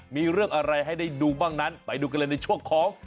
มีเรื่องอะไรให้ได้ดูบ้างนั้นไปดูกันเลยในช่วงของ